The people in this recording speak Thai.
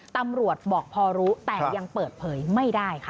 ตำรวจบอกพอรู้แต่ยังเปิดเผยไม่ได้ค่ะ